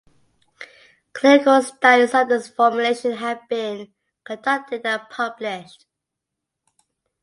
Clinical studies of this formulation have been conducted and published.